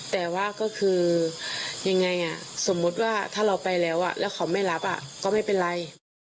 แต่ว่าก็คือยังไงสมมุติว่าถ้าเราไปแล้วแล้วเขาไม่รับก็ไม่เป็นไร